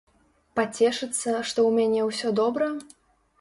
Пацешыцца, што ў мяне ўсё добра?